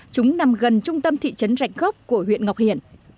chúng nằm gần trung tâm thị trấn rạch gốc của huyện ngọc hiển